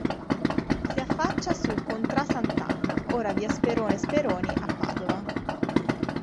Si affaccia su "contrà sant'Anna" ora via Sperone Speroni a Padova.